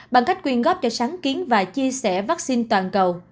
bằng cách quyên góp cho sáng kiến và chia sẻ vắc xin toàn cầu